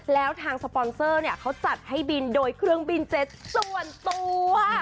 แล้วทางสปอนเซอร์เนี่ยเขาจัดให้บินโดยเครื่องบินเจ็ตส่วนตัว